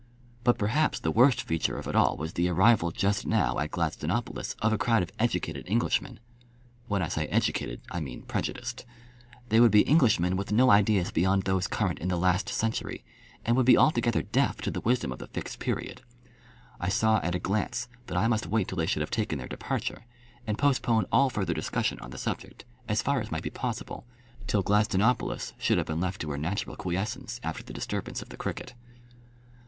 But perhaps the worst feature of it all was the arrival just now at Gladstonopolis of a crowd of educated Englishmen. When I say educated I mean prejudiced. They would be Englishmen with no ideas beyond those current in the last century, and would be altogether deaf to the wisdom of the Fixed Period. I saw at a glance that I must wait till they should have taken their departure, and postpone all further discussion on the subject as far as might be possible till Gladstonopolis should have been left to her natural quiescence after the disturbance of the cricket.